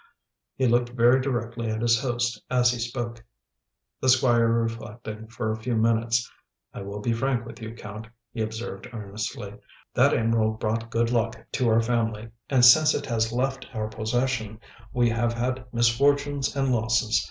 He looked very directly at his host as he spoke. The Squire reflected for a few minutes. "I will be frank with you, Count," he observed earnestly. "That emerald brought good luck to our family, and since it has left our possession, we have had misfortunes and losses.